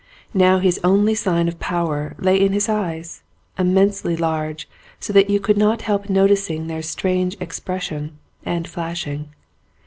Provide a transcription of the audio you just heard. Now his only sign of power lay in his eyes, immensely large so that you could not help noticing their strange expression, and flashing.